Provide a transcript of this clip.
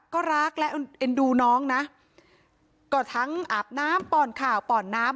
ก็รักและเอ็นดูน้องนะก็ทั้งอาบน้ำป่อนข่าวป่อนน้ำ